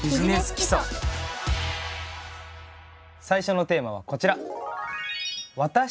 最初のテーマはこちら。